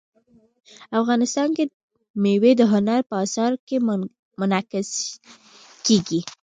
افغانستان کې مېوې د هنر په اثار کې منعکس کېږي.